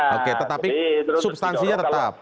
oke tetapi substansinya tetap